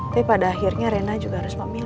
tapi pada akhirnya reina juga harus memilih kan